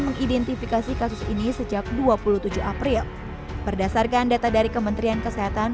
mengidentifikasi kasus ini sejak dua puluh tujuh april berdasarkan data dari kementerian kesehatan